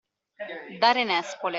Dare nespole.